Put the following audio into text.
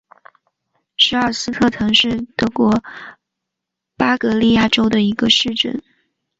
舍尔斯特滕是德国巴伐利亚州的一个市镇。